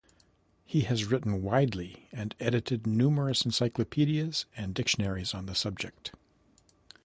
He has written widely and edited numerous encyclopedias and dictionaries on the subject.